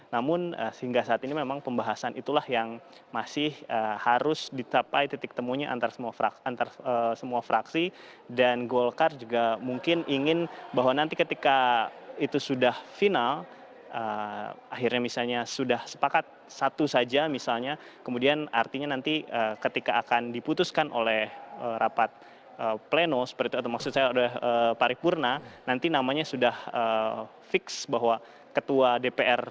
namun sehingga saat ini memang pembahasan itulah yang masih harus ditapai titik temunya antara semua fraksi dan golkar juga mungkin ingin bahwa nanti ketika itu sudah final akhirnya misalnya sudah sepakat satu saja misalnya kemudian artinya nanti ketika akan diputuskan oleh rapat pleno seperti itu atau maksud saya oleh paripurna nanti namanya sudah fix bahwa ketua dpr